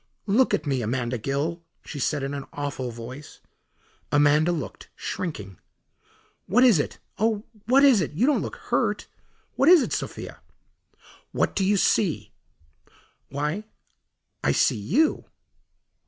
"Look at me, Amanda Gill," she said in an awful voice. Amanda looked, shrinking. "What is it? Oh, what is it? You don't look hurt. What is it, Sophia?" "What do you see?" "Why, I see you."